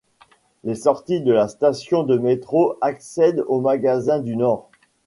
Les sorties de la station du métro accèdent au Magasin du Nord.